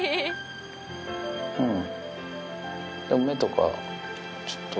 うん。